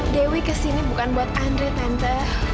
dewi kesini bukan buat andri tenter